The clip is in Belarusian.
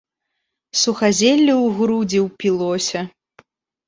Сухазелле у грудзі ўпілося.